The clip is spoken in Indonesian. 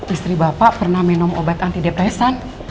istri bapak pernah minum obat antidepresan